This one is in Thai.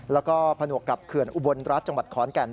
แล้วก็ผนวกกับเขื่อนอุบลรัฐจังหวัดขอนแก่น